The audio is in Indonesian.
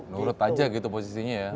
nurut aja gitu posisinya ya